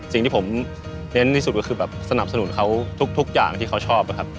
สิ่งที่ผมเน้นที่สุดก็คือแบบสนับสนุนเขาทุกอย่างที่เขาชอบครับ